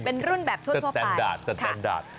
เป็นรุ่นแบบทั่วไป